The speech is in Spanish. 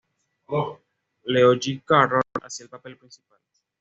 Leo G. Carroll hacía el papel principal.